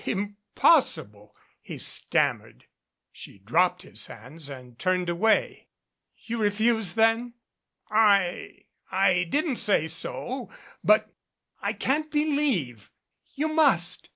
"Impossible!" he stammered. She dropped his hands and turned away. "You refuse then?" Ill MADCAP __^ "I I didn't say so. But I can't believe " "You must.